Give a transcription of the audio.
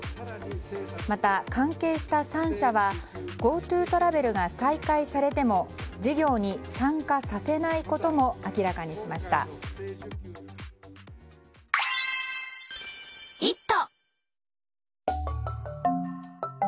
また、関係した３社はＧｏＴｏトラベルが再開されても事業に参加させないことも明らかにしました。